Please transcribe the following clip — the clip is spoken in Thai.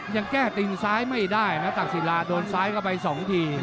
ยังแก้ตินซ้ายไม่ได้นะตักศิลาโดนซ้ายเข้าไป๒ที